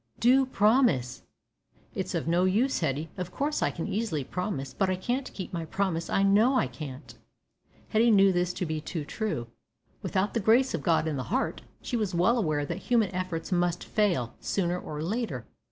Do promise." "It's of no use, Hetty. Of course I can easily promise, but I can't keep my promise. I know I can't." Hetty knew this to be too true. Without the grace of God in the heart, she was well aware that human efforts must fail, sooner or later.